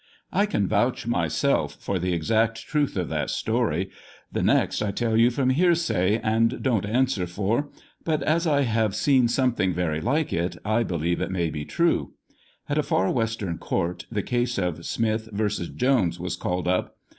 I can vouch myself for the exact truth of that story ; the next T tell from hearsay, and don't answer for, but as I have seen something very like it, I believe it may be true. At a Par Western court, the case of Smith v. Jones was called up.